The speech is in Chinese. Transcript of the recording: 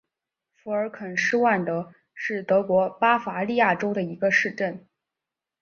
福尔肯施万德是德国巴伐利亚州的一个市镇。